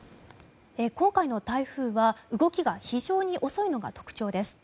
今回の台風は動きが非常に遅いのが特徴です。